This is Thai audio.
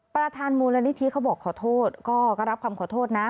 ประธานมูลนิธิเขาบอกขอโทษก็รับคำขอโทษนะ